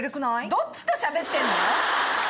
どっちとしゃべってるの？